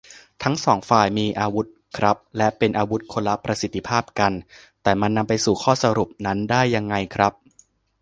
ทั้งสองฝ่ายมีอาวุธครับ และเป็นอาวุธคนละประสิทธิภาพกัน แต่มันนำไปสู่ข้อสรุปนั้นได้ยังไงครับ